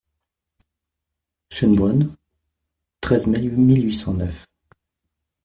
Schoenbrunn, treize mai mille huit cent neuf.